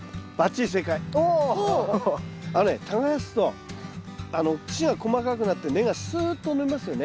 あのね耕すと土が細かくなって根がすっと伸びますよね。